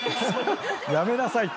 やめなさい。